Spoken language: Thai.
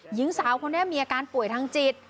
หญิงสาวคนนี้มีอาการป่วยทางจิต